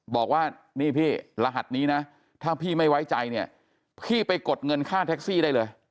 บอกว่านี่พี่รหัสนี้นะถ้าพี่ไม่ไว้ใจเนี่ยพี่ไปกดเงินค่าแท็กซี่ได้เลย